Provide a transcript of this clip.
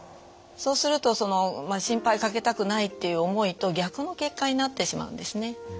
そうするとその心配かけたくないという思いと逆の結果になってしまうんですね。